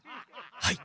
はい。